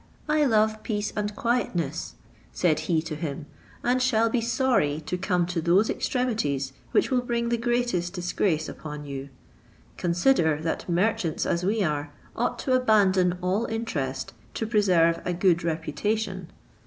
"I love peace and quietness," said he to him, "and shall be sorry to come to those extremities which will bring the greatest disgrace upon you; consider, that merchants, as we are, ought to abandon all interest to preserve a good reputation.